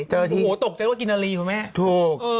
โอ้โหตกใจว่ากินนาลีคุณแม่ถูก